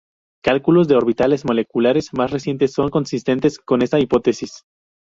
Cálculos de orbitales moleculares más recientes son consistentes con esta hipótesis.